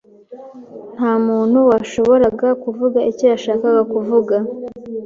Nta muntu washoboraga kuvuga icyo yashakaga kuvuga.